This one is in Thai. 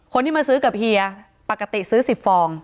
คนที่มาซื้อกับเฮียปกติซื้อ๑๐ฟอง